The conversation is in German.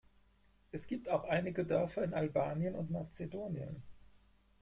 Es gibt auch einige Dörfer in Albanien und Mazedonien.